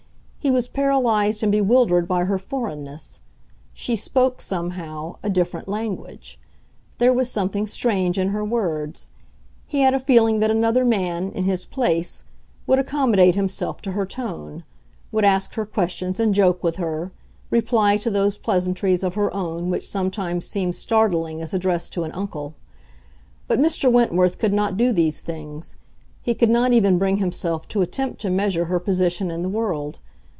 He was paralyzed and bewildered by her foreignness. She spoke, somehow, a different language. There was something strange in her words. He had a feeling that another man, in his place, would accommodate himself to her tone; would ask her questions and joke with her, reply to those pleasantries of her own which sometimes seemed startling as addressed to an uncle. But Mr. Wentworth could not do these things. He could not even bring himself to attempt to measure her position in the world.